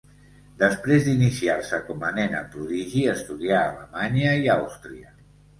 Després d'iniciar-se com a nena prodigi, estudià a Alemanya i Àustria.